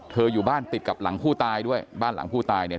อยู่บ้านติดกับหลังผู้ตายด้วยบ้านหลังผู้ตายเนี่ย